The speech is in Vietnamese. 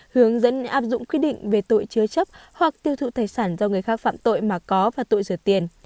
hướng dẫn áp dụng quy định về tội chứa chấp hoặc tiêu thụ tài sản do người khác phạm tội mà có và tội rửa tiền